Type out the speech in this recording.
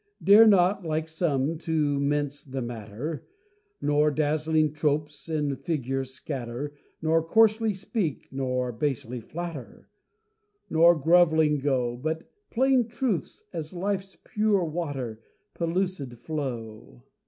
Dare not, like some, to mince the matter Nor dazzling tropes and figures scatter, Nor coarsely speak nor basely flatter, Nor grovelling go: But let plain truths, as Life's pure water, Pellucid flow.